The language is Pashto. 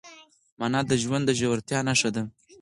مانا د ژوند د ژورتیا نښه ده.